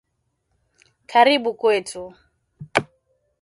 Karibu Kwetu